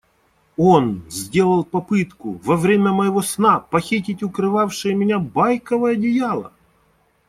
Он сделал попытку во время моего сна похитить укрывавшее меня байковое одеяло.